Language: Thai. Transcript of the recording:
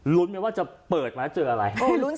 ธวกฅมีว่าจะเปิดไปแล้วเจออะไร